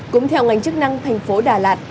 cũng theo ngành chức năng thành phố đà lạt